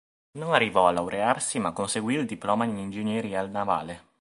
Non arrivò a laurearsi, ma conseguì il diploma in ingegneria navale.